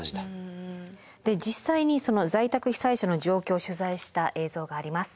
実際に在宅被災者の状況を取材した映像があります。